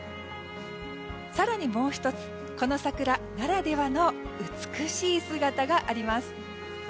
更にもう１つ、この桜ならではの美しい姿があります。